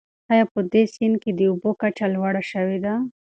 آیا په دې سیند کې د اوبو کچه لوړه شوې ده؟